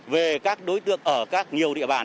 về các đối tượng ở các nhiều địa bàn